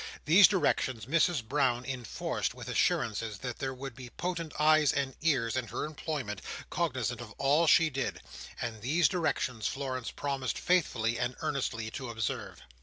These directions Mrs Brown enforced with assurances that there would be potent eyes and ears in her employment cognizant of all she did; and these directions Florence promised faithfully and earnestly to observe.